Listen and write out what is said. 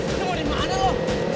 ini mau dimana lo